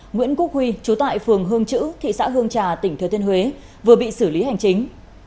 nguyễn quốc huy trú tại phường hương chữ thị xã hương trà tỉnh thừa thiên huế vừa bị xử lý hành chính